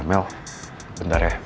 mel bentar ya